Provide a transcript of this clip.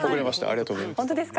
ありがとうございます。